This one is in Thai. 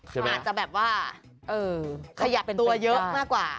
อาจจะแบบว่าขยับตัวเยอะมากกว่า